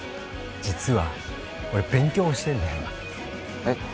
実は俺勉強してんだよなえっ？